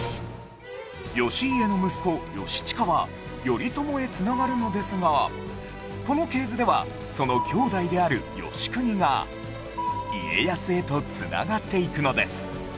義家の息子義親は頼朝へ繋がるのですがこの系図ではその兄弟である義国が家康へと繋がっていくのです